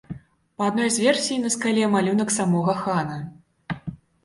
Па адной з версій, на скале малюнак самога хана.